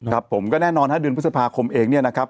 ครับผมก็แน่นอนฮะเดือนพฤษภาคมเองเนี่ยนะครับ